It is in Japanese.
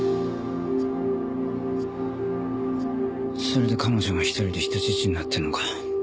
それで彼女が１人で人質になってるのか。